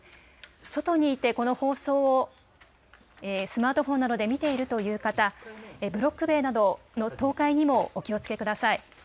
外にいてこの放送をスマートフォンなどで見ているという方、ブロック塀などの倒壊にもお気をつけください。